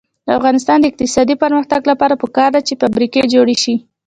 د افغانستان د اقتصادي پرمختګ لپاره پکار ده چې فابریکې جوړې شي.